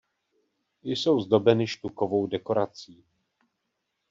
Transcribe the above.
Jsou zdobeny štukovou dekorací.